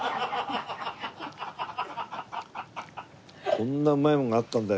こんなうまいものがあったんだ